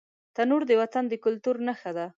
تنور د وطن د کلتور نښه ده